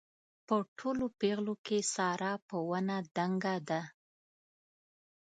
په ټولو پېغلو کې ساره په ونه دنګه ده.